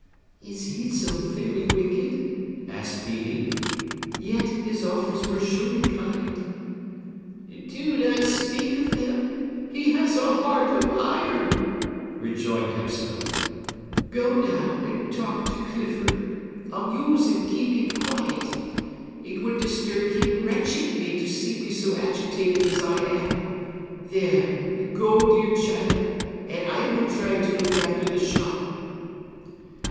"Is he so very wicked?" asked Phœbe. "Yet his offers were surely kind!" "Do not speak of them,—he has a heart of iron!" rejoined Hepzibah. "Go, now, and talk to Clifford! Amuse and keep him quiet! It would disturb him wretchedly to see me so agitated as I am. There, go, dear child, and I will try to look after the shop."